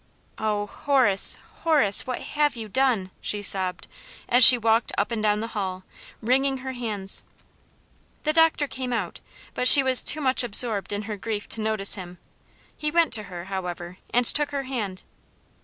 "Oh, Horace! Horace, what have you done!" she sobbed, as she walked up and down the hall, wringing her hands. The doctor came out, but she was too much absorbed in her grief to notice him. He went to her, however, and took her hand.